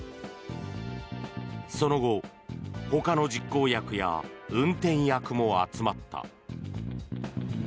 その後、ほかの実行役や運転役も集まった。